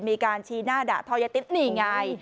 มีการชี้หน้าด่าทอยายติ๊บนี่ไง